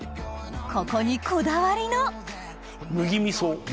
ここにこだわりの麦味噌を。